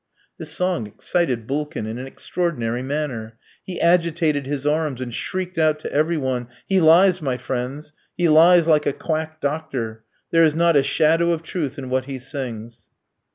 This song excited Bulkin in an extraordinary manner. He agitated his arms, and shrieked out to every one: "He lies, my friends; he lies like a quack doctor. There is not a shadow of truth in what he sings."